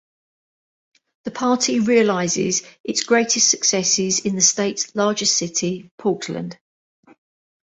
The party realizes its greatest successes in the state's largest city, Portland.